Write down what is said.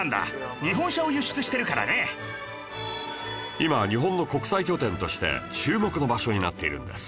今日本の国際拠点として注目の場所になっているんです